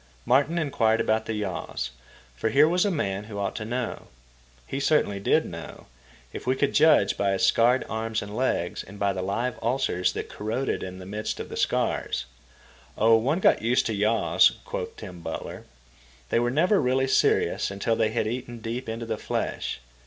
Martin inquired about yaws, for here was a man who ought to know. He certainly did know, if we could judge by his scarred arms and legs and by the live ulcers that corroded in the midst of the scars. Oh, one got used to yaws, quoth Tom Butler. They were never really serious until they had eaten deep into the flesh.